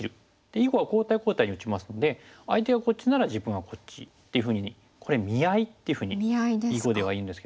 囲碁は交代交代に打ちますので相手がこっちなら自分はこっちっていうふうにこれ「見合い」っていうふうに囲碁ではいうんですけども。